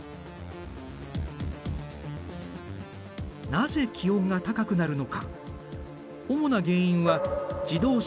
なぜ気温が高くなるのか。